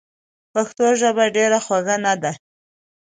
پښتو ژبه ډېره خوږه نده؟!